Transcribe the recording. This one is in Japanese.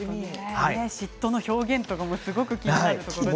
嫉妬の表現とかもすごく気になるところです。